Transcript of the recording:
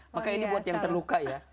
maka ini buat yang terluka ya